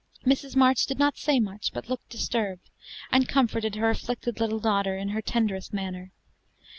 Mrs. March did not say much, but looked disturbed, and comforted her afflicted little daughter in her tenderest manner.